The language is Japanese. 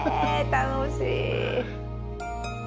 楽しい。